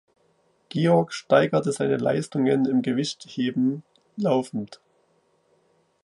Georg steigerte seine Leistungen im Gewichtheben laufend.